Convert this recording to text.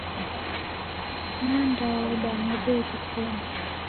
Nandaoda modo irikonyi.